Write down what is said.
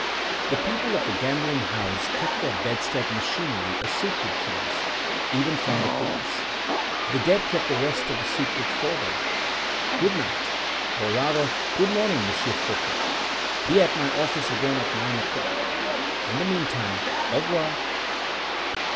The people of the gambling house kept their bedstead machinery a secret from us — even from the police! The dead kept the rest of the secret for them. Good night, or rather good morning, Monsieur Faulkner! Be at my office again at nine o'clock — in the meantime, au revoir!